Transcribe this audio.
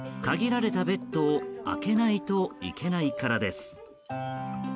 限られたベッドを空けないといけないからです。